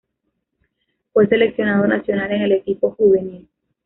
Fue seleccionado nacional en el equipo juvenil.